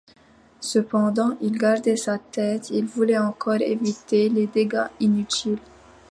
Cependant, il gardait sa tête, il voulait encore éviter les dégâts inutiles.